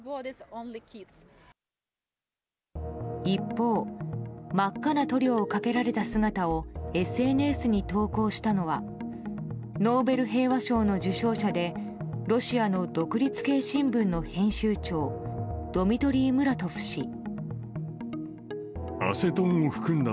一方、真っ赤な塗料をかけられた姿をＳＮＳに投降したのはノーベル平和賞の受賞者でロシアの独立系新聞の編集長ドミトリー・ムラトフ氏。